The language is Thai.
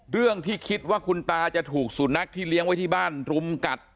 เรื่องที่คิดว่าคุณตาจะถูกสุนัขที่เลี้ยงไว้ที่บ้านรุมกัด